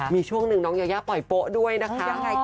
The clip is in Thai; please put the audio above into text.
มีช่วงหนึ่งน้องยายาปล่อยโป๊ะด้วยนะคะ